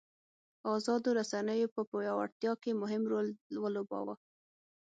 ازادو رسنیو په پیاوړتیا کې مهم رول ولوباوه.